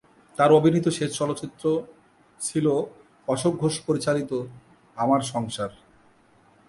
তার অভিনীত শেষ চলচ্চিত্র ছিল অশোক ঘোষ পরিচালিত "আমার সংসার"।